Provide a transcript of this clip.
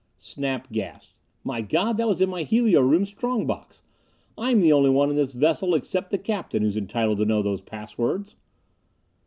Snap gasped. "My God, that was in my helio room strong box! I'm the only one on this vessel except the captain who's entitled to know those pass words!"